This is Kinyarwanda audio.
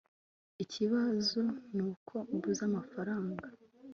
Ikibazo nuko mbuze amafaranga